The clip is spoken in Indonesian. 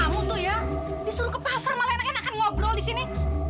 kamu tuh ya disuruh ke pasar malah enak enak kan ngobrol disini